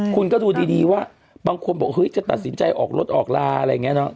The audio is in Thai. คุณก็ดูดีว่าบางคนบอกเฮ้ยจะตัดสินใจออกรถออกลาอะไรอย่างนี้เนอะ